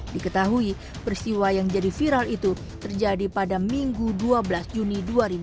diketahui peristiwa yang jadi viral itu terjadi pada minggu dua belas juni dua ribu dua puluh